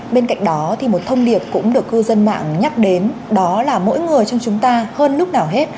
bên cạnh đó thì một thông điệp cũng được cư dân mạng nhắc đến đó là mỗi người trong chúng ta hơn lúc nào hết